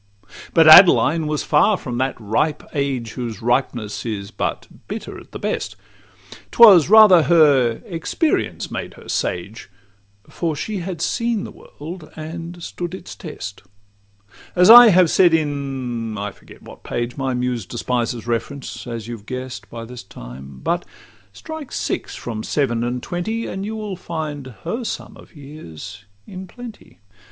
But Adeline was far from that ripe age, Whose ripeness is but bitter at the best: 'Twas rather her experience made her sage, For she had seen the world and stood its test, As I have said in—I forget what page; My Muse despises reference, as you have guess'd By this time;—but strike six from seven and twenty, And you will find her sum of years in plenty.